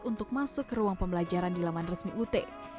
untuk masuk ke ruang pembelajaran di laman resmi ut